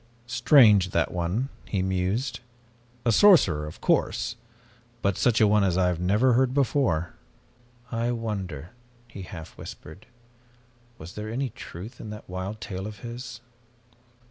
"Strange, that one," he mused. "A sorcerer, of course, but such a one as I had never heard before. I wonder," he half whispered, "was there any truth in that wild tale of his?